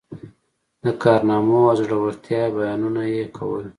د کارنامو او زړه ورتیا بیانونه یې کول.